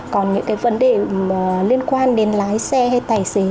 còn những cái vấn đề liên quan đến lái xe hay tài xế